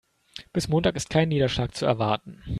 Bis Montag ist kein Niederschlag zu erwarten.